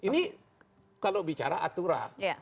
ini kalau bicara aturan